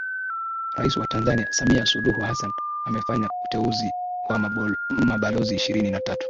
Rais wa Tanzania Samia Suluhu Hassan amefanya uteuzi wa mabalozi ishirini na tatu